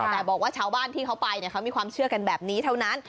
แต่บอกว่าชาวบ้านที่เขาไปเขามีความเชื่อกันแบบนี้เท่านั้น